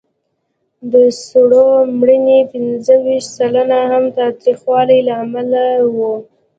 د سړو د مړینې پینځهویشت سلنه هم د تاوتریخوالي له امله وه.